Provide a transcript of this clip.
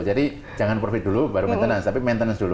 jadi jangan profit dulu baru maintenance tapi maintenance dulu